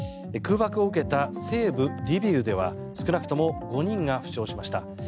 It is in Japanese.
空爆を受けた西部リビウでは少なくとも５人が負傷しました。